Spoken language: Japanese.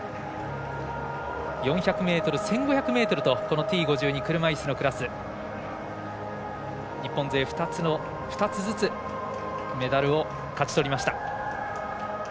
４００ｍ、１５００ｍとこのＴ５２車いすのクラス日本勢２つずつメダルを勝ち取りました。